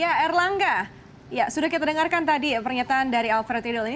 ya erlangga sudah kita dengarkan tadi pernyataan dari alfred riedel ini